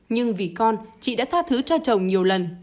nhưng vì con chị đã tha thứ cho chồng nhiều lần